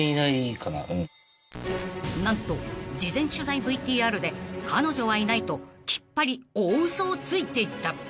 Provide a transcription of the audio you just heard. ［何と事前取材ＶＴＲで「彼女はいない」ときっぱり大嘘をついていた］